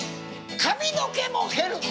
髪の毛も減る。